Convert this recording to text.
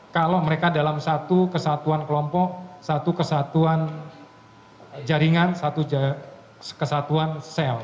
kalau mereka dalam satu kesatuan kelompok satu kesatuan jaringan satu kesatuan sel